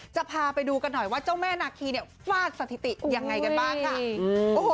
จะพาไปดูกันหน่อยว่าเจ้าแม่นาคีเนี่ยฟาดสถิติยังไงกันบ้างค่ะ